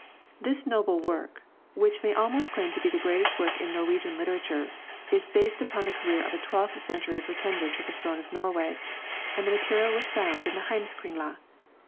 This noble work, which may almost claim to be the greatest work in Norwegian literature, is based upon the career of a twelfth century pretender to the throne of Norway, and the material was found in the 'Heimskringla.'